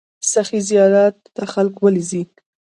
سخي زیارت ته خلک ولې ځي؟